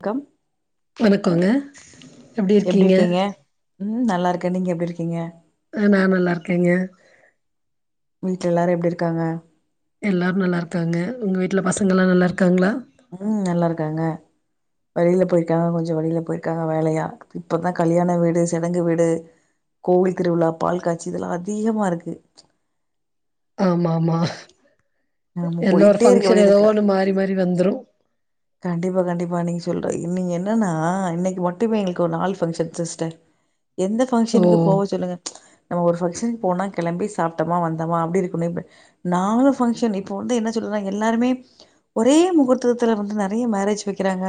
க்கம் வணக்கோங்க எப்டி இருக்கீங்க ம் நல்லா இருக்க நீங்க எப்டி இருக்கீங்க ஆஹ நா நல்லா இருக்கங்க ப்டி இருக்காங்க எல்லாரு நல்லா இருக்காங்க உங்க வீட்ல பசங்கெல்லா நல்லா இருக்காங்களா ம் நல்லா இருக்காங்க வெளியில போயிருக்காங்க கொஞ்சோ வெளியில போயிருக்காங்க வேலயா இப்பதா கல்யாண வீடு சடங்கு வீடு கோயில் திருவிழா பால் காச்சி இதெல்லா அதிகமா இருக்கு ப்ச் ஆம்மாம்மா நாம எல்லா ஒரு போயிட்டே இருக்க ஃபங்ஷன் வேண்டியது இருக்கு ஏதோன்னு மாறி மாறி வந்துரு கண்டிப்பா கண்டிப்பா நீங்க சொல்ற இனி என்னன்னா இன்னைக்கு மட்டுமே எங்குளுக் ஒரு நால் ஃபங்ஷன் சிஸ்டர் எந்த ஓ! ஃபங்ஷனுக்கு போவோ சொல்லுங்க ப்ச் நம்ம ஒரு ஃபங்க்ஷன்க்கு போனா கிளம்பி சாப்ட்டமா வந்தமா அப்டி இருக்கணு. இப் நாலு ஃபங்க்ஷன் இப்போ வந்து என்ன சொல்றாங்க எல்லாருமே ஒரே முகூர்த்தத்துல வந்து ந கென்யா மேரேஜ் வெக்கிறாங்க.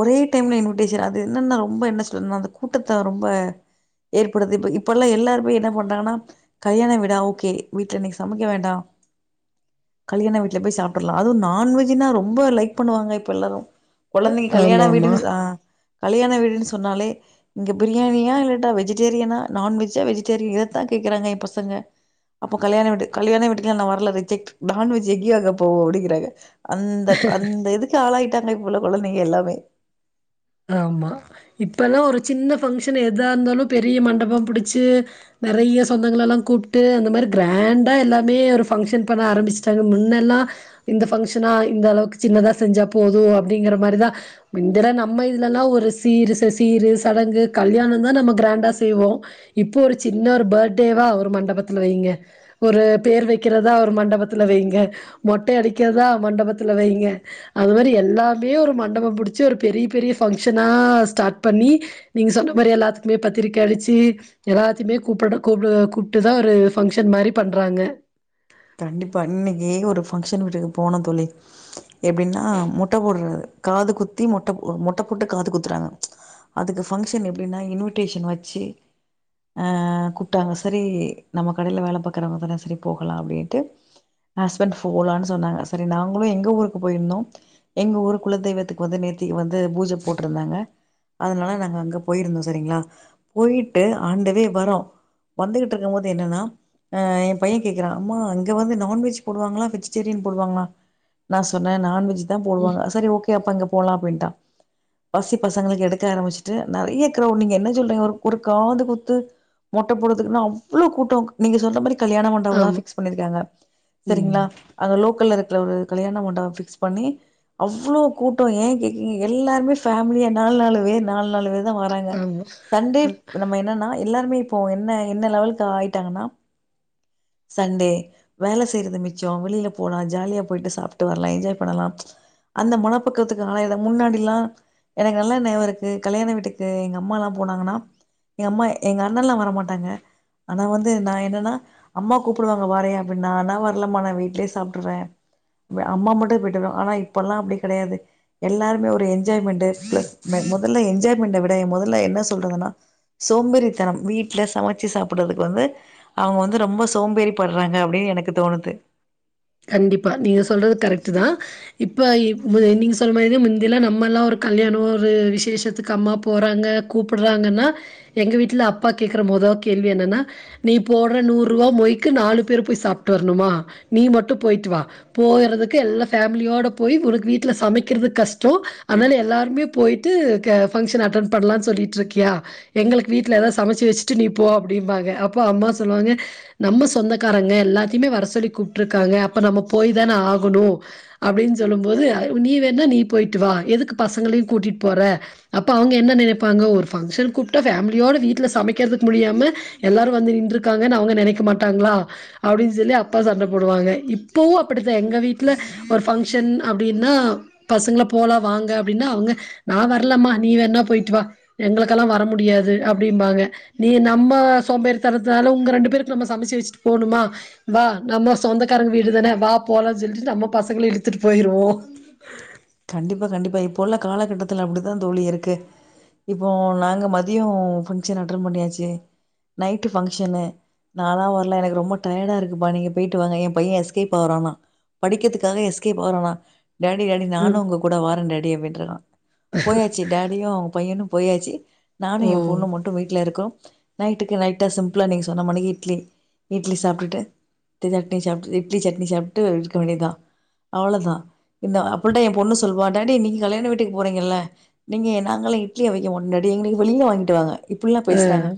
ஒரே டைம்ல இன்விடேஷன் அது என்னன்னா ரொம்ப என்ன [unintelligible] கூட்டத்த ரொம்ப ஏற்படுது. இப்ப இப்பல்லா எல்லாருமே என்ன பண்றாங்கனா? கல்யாணவீடா ஒக்கே வீட்ல இன்னிக்கி சமைக்க வேண்டா. கல்யாண வீட்ல போய் சாப்ட்லா. அது நாண்வெஜ்ஜுனா ரொம்ப லைக் பண்ணுவாங்க. இப்ப எல்லாரு. கொழந்தைங் கல்யாண ஆமாமா. வீடுன்னு சா ஆ கல்யாண வீடுன்னு சொன்னாலே இங்க பிரியாணியா? இல்லட்டா வெஜ்டேரியனா? நான்வெஜ்ஜா வெஜிடேரி இதத்தா கேட்கறாங்க எ பசங்க. அப்போ கல்யாண வீடு கல்யாண வீட்டுக்கெல்லா நா வர்ல. ரிஜெக்ட் நான்வெஜ் எங்கயோ அங்க போவோ அப்டிங்றாங்க. அந்தக் அந் க்கு ஆளாய்ட்டாங்க. இப்புள்ள கொழந்தைங்க எல்லாமே. ஆமா இப்பல்லா ஒரு சின்ன ஃபங்க்ஷன் எதா இந்தாலு பெரிய மண்டபோ புடிச்சு நெறையா சொந்தங்கள எல்லாங் கூப்ட்டு அந்த மாரி கிராண்டா எல்லாமே ஒரு ஃபங்க்ஷன் பண்ண ஆரம்பிச்சுட்டாங்க. முன்னல்லா இந்த ஃபங்க்ஷனா இந்த அளவுக்கு சின்னதா செஞ்சா போது அப்டிங்கற மாரிதா முந்தலா நம் நம்ம இதுலல்லா ஒரு சீருச சீரு சடங்கு கல்யாணந்தா நம்ம கிராண்டா செய்வோ. இப்போ ஒரு சின்ன ஒரு பர்த்டேவா, ஒரு மண்டபத்துல வைங்க. ஒரு பேர் வைக்கிறதா ஒரு மண்டபத்துல வைங்க. மொட்டை அடிக்கிறதா, மண்டபத்துல வைங்க. அது மாரி எல்லாமே ஒரு மண்டபம் புடிச்சு ஒரு பெரிய பெரிய ஃபங்க்ஷனா ஸ்டார்ட் பண்ணி நீங்க் சொன்ன மாரி எல்லாத்துக்குமே பத்திரிக்க அடிச்சு எல்லாத்தியுமே கூப்ட கூப்ட கூப்பிட்டுதா ஒரு ஃபங்க்ஷன் மாரி பண்றாங்க. கண்டிப்பா இன்னைக்கு ஒரு ஃபங்க்ஷன் வீட்டுக்கு போனோ தோழி எப்டின்னா மொட்ட போடுறது காது குத்தி மொட்ட மொட்ட போட்டு காது குத்துறாங்க ம்ச் அதுக்கு ஃபங்க்ஷன் எப்டீனா இன்விட்டேஷன் வச்சு அஹ் கூப்டாங்க. செரீ நம்ம கடைல வேல பாக்கறவங்க தான சேரி போகலா அப்டீன் ட்டு ஹஸ்பன் ஃபோலானு சொன்னாங்க. செரி நாங்களூ எங்க ஊருக்கு போய்ருந்தோ. எங்க ஊரு குல தெய்வத்துக்கு வந்து நேத்தி வந்து பூஜ போட்ருந்தாங்க. அதனால நாங்க அங்க போயிருந்தோ சரிங்ளா. போயிட்டு ஆன் த வே வரோ வந்துகிட்டு இருக்கும்போது என்னன்னா அ என் பையன் கேட்கிறா அம்மா ங்க வந்து நான்வெஜ் போடுவாங்ளா? வெஜிடேரியன் போடுவாங்ளா? நா சொன்ன நான்வெஜ் இதா ம். போடுவாங்க சரி ஓக் கேப்பாங்க போலா அப்டீன்டா பசி பசங்களுக்கு எடுக்க ஆரம்பிச்ட்டு நறைய கிரவுட் நீங்க என்னச் சொல்றீங்க ஓர் ஒரு காது குத்து மொட்ட போட்றதுக்குனா அவ்ளோ கூட்டோ நீங்க சொல்ற மாரி கல்யாணமண்டபதா ஆமா. ஃபிக்ஸ் பண்ணிருக்காங்க. சரிங்களா ம். அங்க லோக்கல்ல இருக் ட்ல ஒரு கல்யாண மண்டபோ ஃபிக்ஸ் பண்ணி அவ்ளோ கூட்டோ ஏ கேகீ எல்லார்மே ஃபேம்லியா நாலு நாலு வே நாலு நாலு வே த வாராங்க ஆமா. சண்டே அ நம்ம என்னன்னா எல்லார்மே போ என்ன என்ன லெவல்க்கு ஆய்ட்டாங்கனா சண்டே வேல செய்றது மிச்சோ வெளில போலா ஜாலியா போய்ட்டு சாப்ட்டு வர்லா என்ஜாய் பண்ணலா ம்ச் அந்த மனப்பக்குவத்துக்கு ஆலாயுலா முன்னாடிலா எனக்கு நல்லா நெனவிருக்கு கல்யாண வீட்டுக்கு எங்க அம்மாலா போனாங்னா, எங்க அம்மா எங்க அண்ணன்லா வரமாட்டாங்க ஆனா வந்து நா என்னன்னா அம்மா கூப்புடுவாங்க வாறயா நாலா வர்லமா நா வீட்லயே சாப்ட்டுற அம்மா மட்டு போய்ட்டுவருவாங் ஆனா இப்பலா அப்டி கெடையாது எல்லாருமே ஒரு என்ஜாய்மெண்டு பிளஸ் பே முதல்ல என்ஜாய்மெண்ட விடே எ முதல்ல என்ன சொல்றதுனா, சோம்பேறித்தனம் வீட்ல சமச்சு சாப்பட்றதுக்கு வந்து அவுங்க வந்து ரெம்ப சோம்பேறி படுறாங்க அப் அப்டீயே எனக்கு தோணுது. கண்டிப்பா, நீங்க சொல்றது கரெக்டு தா இப்ப ம் நீங்க சொன்ன மாரி முந்திலா நம்மல்லா ஒரு கல்யாணோ ஒரு விசேஷத்துக்கு அம்மா போறாங்க கூப்புட்றாங்கனா எங்க வீட்ல அப்பா கேக்குற முதோ கேள்வி என்னனா நீ போட்ற நூற் ரூவா மொய்கு நாலு பேரு போய் சாப்ட்டு வரணுமா நீ மட்டு போய்ட் வா போறதுக்கு எல்லா ஃபேமிலியோட போய் உனக்கு வீட்ல சமைக்குறது கஷ்டோ அதால எல்லாருமே போய்ட்டு க ஃபங்க்ஷன் அட்டன் பண்லா சொல்லிட்ருக்கியா எங்களுக் வீட்ல எதாது சமச்சு வெச்சுட்டு நீ போ அப்டீம்பாங்க அப்போ அம்மா சொல்லுவாங்க நம்ம சொந்தக்காரங்க எல்லாத்திமே வர சொல்லிக்கூப் ட்ருக்காங்க அப்ப நம்ம போய்தான ஆகணோ அப்படின் சொல்லும்போது நீ வேனா நீ போய்ட்டு வா எதுக்கு பசங்களையு கூட்டிட் போற அப்ப அவுங்க என்ன நெனைப்பாங்க ஒரு ஃபங்சனுக் கூப்டா ஃபேமிலியோட வீட்ல சமைக்கறதுக்கு முடியாம எல்லாரு வந்து நின்ருக்காங்கனு அவுங்க நெனைக்க மாட்டாங்களா அப்டின் சொல்லி அப்பா சண்டப் போடுவாங்க இப்போவு அப் படுத்த எங்க வீட்ல ஒரு ஃபங் ஷன் அப்டீன்னா பசங்கள போலா வாங்க அப்டீன்னா அவுங்க நா வர்லமா நீ வேணா போய்ட்டு வா எங்களுகெல்லா வர முடியாது அப்டீம்பாங்க நீ நம்ம சோம்பேறி தனதுனால உங்க ரெண்டு பேருக்கு நம்ம சமச்சு வெச்சுட்டு போணுமா வா நம்ம சொந்தக்காரங்க வீடுதான வா போலாஞ் சொல்லிட்டு நம்ம பசங்கள இழுத்துட்டு போயிருவோ. கண்டிப்பா கண்டிப்பா இப்போ உள்ள காலகட்டத்துல அப்படிதா தோலி இருக்கு இப்போ நாங்க மதியோ ஃபங்க்ஷன் அட்டன் பண்ணியாச்சு நைட்டு ஃபங்க்ஷனு நாலா வர்ல எனக்கு ரொம்ப டயர்டா இருக்குபா நீங்க போய்ட்டு வாங்க எ பையே எஸ்கேபாறானா படிக்கதுக்காக எஸ்கேபாறானா. டேடி டேடி நான் ம். நானு உங்க கூட வார டாடி அப்படின்றானா போயாச்சு டாடியு அவுங்க பையனு போயாச்சி நானு ஓ! என் பொண்ணு மட்டு வீட்ல இருக்கோ. நைட்டுக்கு நைட்டா சிம்பிலா நீங்க சொன்னமானிகி இட்லி இட்லி சாப்டுட்டு த்த சட்னி சாப் இட்லி சட்னி சாப்ட்டு இருக்கவேண்டிதா அவளோதா இந்த அப்லுட்டா எம் பொண்ணு சொல்வா டாடி நீங்க கல்யாண வீட்டுக்கு போறீங்கல்ல நீங்க எ நாங்களா இட்லி அவிக்க மாட்டோ டாடி எங்களுக்கு வெளில வாங்கிட்டு வாங்க. இப்டிலா ஆ. பேசுறாங்க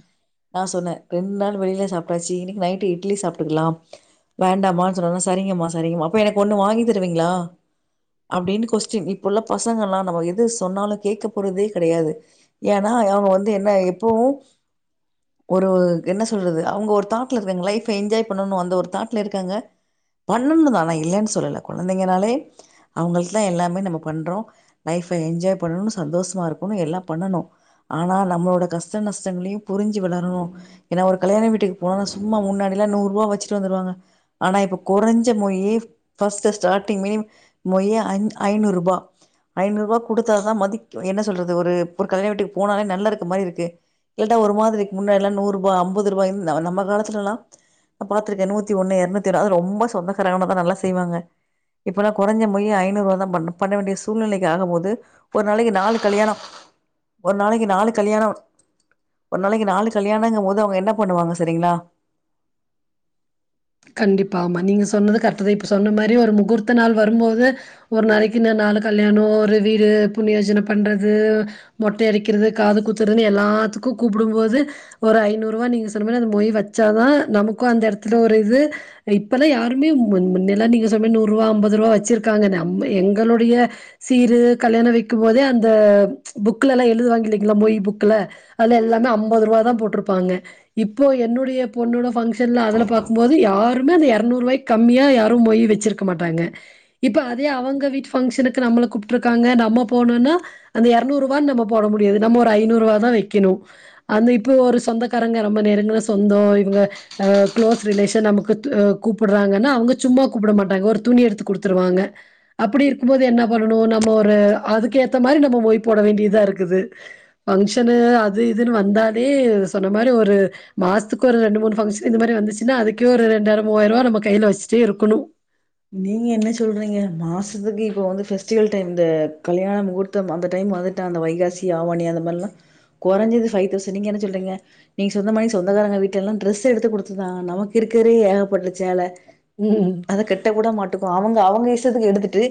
நா சொன்ன ரெண்டு நாள் வெளில சாப்பிட்டாச்சு இன்னைக்கு நைட்டு இட்லி சாப்டுக்கலா வேண்டாமா சொன்னவு சரிங்கம்மா சரிங்கம்மா அப்ப எனக்கு ஒன்னு வாங்கி தருவீங்ளா அப்டீனு கொஸ்டின் இப்ப உள்ள பசங்கள்லா நம்ம எது சொன்னாலோ கேட்க போறதே கெடையாது ஏன்னா அவுங்க வந்து என்ன எப்பவோ ஒரு என்ன சொல்றது அவுங்க ஒரு தாட்ல இருக்காங்க லைஃப என்ஜாய் பண்ணணோ அந்த ஒரு தாட்ல இருக்காங்க பண்ணணுதா இல்லன்னு சொல்லல கொழந்தைங்கனாலே அவுங்களுக் ட்ல எல்லாமே நம்ம பண்றோ லைஃப்ப என்ஜாய் பண்ணனோ சந்தோஷமா இருக்கோ எல்லா பண்ணனோ ஆனா நம்மளோட கஷ்ட நஷ்டங்களையு புரிஞ்சு வளரணோ ஏன்னா ஒரு கல்யாண வீட்டுக்கு போனா சும்மா முன்னாடிலா நூறுவா வச்சிட்டு வந்துருவாங்க ஆனா இப்ப கொரஞ்ச மொய்யே பர்ஸ்ட்டு ஸ்டாட்டிங் மே மொய்யே அஞ்ச் ஐநூறுபா ஐநூறுபா குடுத்தாதா மதிக் என்ன சொல்றது ஒரு கல்யாண வீட்டுக்கு போனாலே நல்லாருக்க மாரி இருக்கு இல்லாட்டா ஒரு மாதிரிக் முன்னாடிலா நூறுபா அம்பதுருபா இந்த் நம்ம காலத்துலலா பாத்துருக்க நூத்தி ஒண்ணு இருநூத்திஒன் அது ரொம்ப சொந்தகாரனுவதா நல்லா செய்வாங்க இப்பல்லா குறஞ்ச மொய்யே ஐநூறுபா தா பண்ண வேண்டிய சூழ்நிலைக்கு ஆகும் போது ஒரு நாளைக்குநாலு கல்யாணோ ஒரு நாளைக்கு நாலு கல்யாணோ ஒரு நாளைக்கு நாலு கல்யாணோங்குபோது அவுங்க என்ன பண்ணுவாங்க சரிங்களா. கண்டிப்பா ஆமா நீங்க சொன்னது கரெக்ட தா இப்ப சொன்ன மாரி ஒரு முகூர்த்த நாள் வரும் போது ஒரு நாளைக்குன நாலு கல்யாணோ ஒரு வீடு புண்ணியோஜன பண்றது, மொட்ட அடிக்கிறது காது குத்துறதுனு, எல்லாத்துக்கு கூப்பிடும் போது ஒரு ஐநூறுவா நீங்க சொன்ன மாரி அந்த மொய் வச்சாதா நமக்கோ அந்த எடத்துல, ஒரு இப்ப இது இப்பதா யாருமே ம் ம் மின்னிலா நீங்க சொன்ன மாரி நூறுபா அம்பதுருபா வச்சிருக்காங்க. நம்ப எங்களோடய சீறு கல்யாணோ வெக்கும்போதே அந்த ச் புக்லலா எழுதுவாங்க இல்லங்கீலா மொய்புக்ல அதுல எல்லாமே அம்பதுருபா தா போட்ருப்பாங்க. இப்போ என்னுடைய பொண்ணோட ஃபங்ஷன்ல அதுல பாக் போது யாருமேந்த இருநூறுபாய்க்கு கம்மியா யாரும் மொய் வெச்சிருக்க மாட்டாங்க. இப்ப அதே அவங்க வீட்டு ஃபங்ஷனுக்கு நம்மல கூப்ட்ருக்காங்க நம்ம போனும்னா அந்த எரநூறுவா நம்ம போட முடியாது நம்ம ஒரு ஐநூறுவாதா வெக்கிணோ அந்த இப்ப ஒரு சொந்தக்காரங்க ரொம்ப நெருங்குன சொந்தோ இவங்க அ க்ளோஸ். த் ரிலேசன் நமக்கு து கூப்பிடுறாங்கனா அவுங்க சும்மா கூப்பிட மாட்டாங்க. ஒரு துணி எடுத்துகுடுத்துடுவாங்க. அப்பிடி இருக்கும்போது என்ன பண்ணனோ நம்ம ஒரு அதுக்கு ஏத்தமாரி நம்ம மொய் போட வேண்டியதா இருக்குது. பங்ஷனு அது இதுனு வந்தாலே சொன்னமாரி ஒரு மாசத்துக்கு ரெண்டு மூணு பன்ஷன் வந்துச். இன்னோ அதுக்கே ஒரு ரெண்டாயிரோ மூவாயிருபா நம்ம கைல வச்சுட்டே இருக்கணோ நீங்க என்ன சொல்றீங்க மாசத்துக்கு இப்ப வந்து பெஸ்டிவல் டைம் இந்த கல்யாண முகூர்த்தம் அந்த டைம் வந்துட்டா அந்த வைகாசி ஆவாணி அந்த மாரிலா குறஞ்சது ஃபைவ் தௌசண்ட் நீங்க என்ன சொல்றீங்க நீங்க சொன்ன மாரி சொந்தக்காரங்க வீட்ல லா டிரெஸு எடுத்து கொடுத்துதா நமக்கு இருக்குறே ஏகப்பட்ட சேல. ம் மாட்டுக்கோ அவுங்க அவுங்க இஷ்டத்துக்கு எடுத்துட்டு.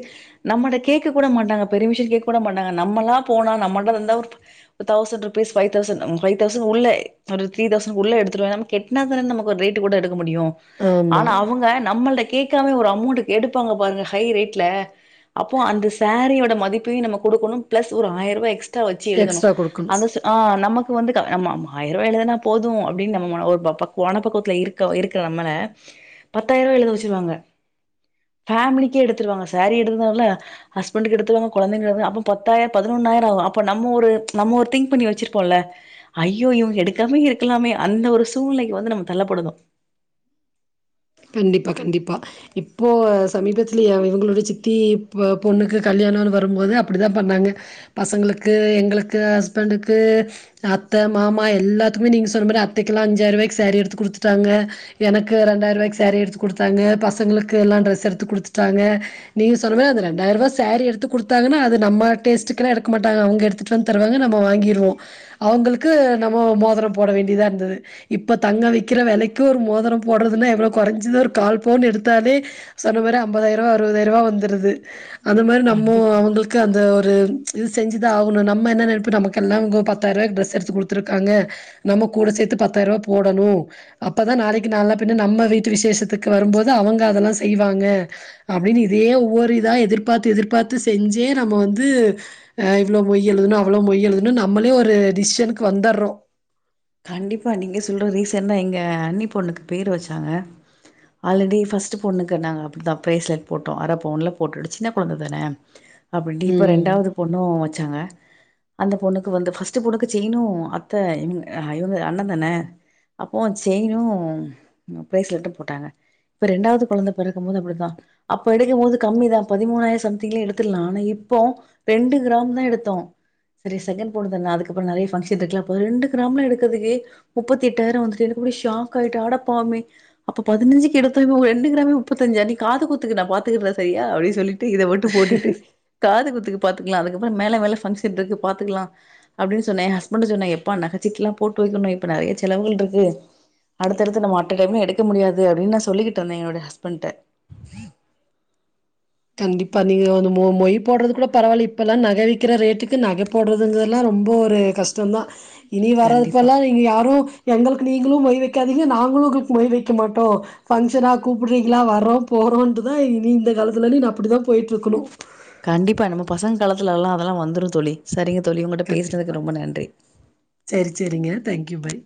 நம்மட்ட கேக்க கூட மாட்டாங்க. பரிமிஷன் கேக்க கூட மாட்டாங்க. நம்மளா போனா. நம்மட்ட தந்தா ஒரு thousand rupees five thousand five thousand உள்ள ஒரு த்ரீ தவுசன் உள்ள எடுத்துருவ நம்ம கெட்னாதானே நமக்கு ஒரு ரேட்டு கூட எடுத் ஒரு முடியோ ஆமா. ஆனா அவுங்க நம்மள்ட்ட க்லமே ஒரு அமௌண்ட்டுக்கு எடுப்பாங்க பாருங்க ஹை ரேட்ல. அப்போ அந்த சாரீயோட மதிப்பையு நம்ம குடுக்கணு பிளஸ் ஒரு ஆயிர ரூவா எக்ஸ்ட் த்தா வச்சு எழுதணு எக்ஸ்ட்ரா குடுக்கணும். அந்த்தஸ்ஸு ஆ நமக் வந்து க ஆமா ஆமா ஆயிர ரூவா எழுதனா போதும் அப்டின்னு நம [unintelligible] கோண பக்கத்து இருக்க இருக்கிற நம்ம பத்தாயிர ரூவா எழுத வச்சிருவாங்க ஃபேமிலிக்கே எடுத்துருவாங்க சாரீ எடுத்ததான்ல்ல ஹஸ்பண்டக்கு எடுத்துருவாங்க கொழந்தைங்களுக்கு [unintelligible] அப்ப பத்தாயிரோ பதினொன்னாயிரோ ஆகு, அப்ப நம்ம ஒரு ம்ச் நம்ம ஒரு திங்க் பண்ணி வச்சிருப்போம்ல ஐயோ இவங்க எடுக்காமே இருக்கலாமே அந்த ஒரு சூழ்நிலைக்கு வந்து நம்ம தள்ளப்படுதோ கண்டிப்பா கண்டிப்பா இப்போ சமீபத்தில்ல இவங்களுடைய சித்திப் பொண்ணுக்கு கல்யாணம்னு வரும்போது அப்டிதான் பண்ணாங்க பசங்களுக்கு எங்களுக்கு ஹஸ்பண்டுக்கு அத்த மாமா எல்லாத்துக்குமே நீங்க சொன்ன மாரி அத்தைக்கெல்லா அஞ்சாயிர ரூவாய்க்கு சாரீ எடுத்து குடுத்துட்டாங்க எனக்கு ரெண்டாயிர ரூவாய்க்கு ஸ் சரீ எடுத்துக் குடுத்தாங்க பசங்களுக்கு எல்லா ட்ரெஸ் எடுத்து குடுத்துட்டாங்க நீங்க சொன்ன மாரி அந்த ரெண்டாயிர ரூபா சரீ எடுத்து குடுத்தாங்கன்னா அது நம்ம டேஸ்ட்டுக்கெல்லா எடுக்க மாட்டாங்க அவங்க எடுத்துட்டு வந்து தருவாங்க நம்ம வாங்கிருவோ அவங்களுக்கு நம்மோ மோதரோ போட வேண்டியதா இருந்தது இப்போ தங்க விக்கிற வெலைக்கு ஒரு மோதரோ போடுறதுனா எவ்ளோப் குறைஞ்சது ஒரு கால்போன் எடுத்தாலே சொன்ன மாரி ஐம்பதாயிர ரூவா அறுபதாயிர ரூவா வந்துருது அந்த மாரி நம்மோ கண்டிப் அவங்களுக்கு அந்த ஒரு ம்ச் இது செஞ்சுதா ஆகணு நம்ம என்ன நெனைப்பு நமக் எல்லா அவங்கோ பத்தாயிர ரூவாய்க்கு ட்ரெஸ் எடுத்து குடுத்துருக்காங்க நம்ம கூட சேத்து பத்தாயிர ரூவா போடணு அப்தா நாளைக்கு நால பின்ன நம்ம வீட் ட்டு விசேஷத்துக்கு வரும்போது அவங்க அதெல்லா செய்வாங்க அப்டின்னு இதே ஒவ்வொரு இதா எதிர்பாத்து எதிர்பாத்து செஞ்சே நம்ம வந்து அ இவ்ளோ மொய் எழுதணு அவ்ளோ மொய்எழுதனு நம்மளே ஒரு டிசிஷனுக்கு வந்தறோ ட கண்டிப்பா நீங்க சொல்ற ரீசெண்டா எங்க அன்னி பொண்ணுக்கு பேரு வச்சாங்க ஆல்ரெடி ஃபர்ஸ்ட்டு பொண்ணுக்கு நாங்க அப்டித்தா பிரேஸ்லெட் போட்டோ அர பவுன்னுல போட்டுட்ச் சின்ன குழந்த தான அப்ப டிப்ப ம் ரெண்டாவது பொண்ணு வந் ச்சாங்க அந்த பொண்ணுக்கு வந்து பஸ்ட்டு பொண்ணுக்கு செய்ணு அத்த எங்க [unintelligible] இவங்க அண்ண தான அப்போ செயினு பிரேஸ்லெட்டு போட்டாங்க இப்ப ரெண்டாவது குழந்த பெறக்கு போது அப்டித்தா அப்ப எடுக்கு போது கம்மி தா பதிமூணாயிரம் சம்திங்லயே எடுத்துடலா ஆனா இப்போ ரெண்டு கிராம் தான் எடுத்தோ செரி செகண்ட் பொண்ணு தான அதுக்கப்பறோ நெறைய பங்கஷன் இருக்கலா அப்ப ரெண்டுக் கிரம்லா எக்கத்துக்கு முப்பத்தி எட்டாயிரோ வந்துட்டு எனக்கு அப்டியே ஷாக்காய்டு, அட பாவமே அப்ப பதினஞ்சிக்கு எடுத்தோ இப்ப ரெண்டு கிரமே முப்பத்தஞ்சாயிரோ நீ காதுகுத்துக்கு நா பாத்துக்கறே சரியா அப்டின் சொல்லிட் ட்டு இத மட்டு போட்டுட்டு காது குத்துக்கு பாத்துக்கலா அதுக் [unintelligible] ற மேல மேல பங்க்ஷன்ருக்கு பாத்துக்கலா அப்டின்னு சொன்னே ஹஸ்பண்ட்டு சொன்ன எப்பா நகச் ச்சிட்லா போட்டு வைக்கணும் இப்ப நெறைய செலவுகள்ருக்கு அடுத்தடுத்து நம்ம அட்ட டைம் எடுக்க முடியாது அப்டின்னு நா சொல்லிக்கிட்ருந்தே என்னோட ஹஸ்பெண்ட்ட கண்டிப்பா நீங்க வந்து மொ மொயி போடுறது கூட பரவாயில்ல இப்பல்லா நகவிக்கிற ரேட்டுக்கு நக போடுறதுங்க எல்லா ரொம்ப ஒரு கஷ்டோந்தா இனி கண்டிப்பா வர்றதுப்பெல்லா நீங்க யாரு எங்களுக்கு நீங்களு மொய்வைக் க்காதிங்க நாங்களு உங்களுக் மொய் வைக்க மாட்டோ பங்கஷனா கூப்பிடுறீங்களா வர்றோ போறோண்டுதா இனி இந்த காலத் [unintelligible] நா அப்டி தா போயிட்ருக்கணு கண்டிப்பா நம்ம பசங்க காலத்துல எல்லா அதெல்லா வந்துரு தோழி சரிங்க தோழி உங்கிட்ட கண்டிப்பா. பேசுனதுக்கு ரொம்ப நன்றி சரி சரிங்க. Thank you bye